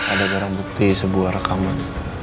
ada barang bukti sebuah rekaman